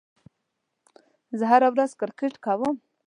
زه هره ورځ کرېکټ کوم.